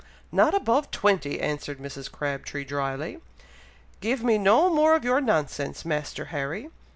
"Not above twenty," answered Mrs. Crabtree, dryly. "Give me no more of your nonsense, Master Harry!